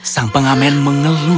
sang pengamen mengeluh